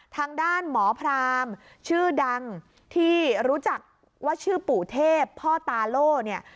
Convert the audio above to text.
ทางด้านหมอพรามชื่อดังที่รู้จักว่าชื่อปู่เทพพ่อตาโล่เนี่ย